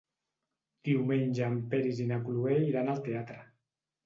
Diumenge en Peris i na Cloè iran al teatre.